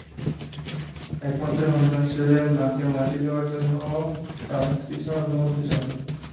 একমাত্র সন্তান হিসেবে মাকে মাটি দেওয়ার জন্য ট্রানস্কি যাওয়ার অনুমতি চান।